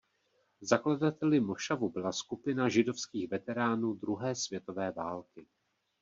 Zakladateli mošavu byla skupina židovských veteránů druhé světové války.